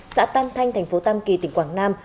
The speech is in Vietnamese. xã tam thanh tp tam kỳ tỉnh quảng nam